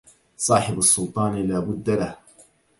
صاحب السلطان لابد له